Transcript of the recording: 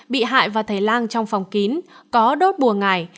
bị hại và thầy lang trong phòng kín có đốt bùa ngải